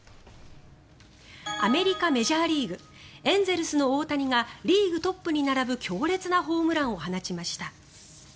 アメリカ、メジャーリーグエンゼルスの大谷がリーグトップに並ぶ強烈なホームランを放ちました。